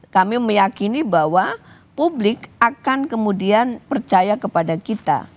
kami meyakini bahwa publik akan kemudian percaya kepada kita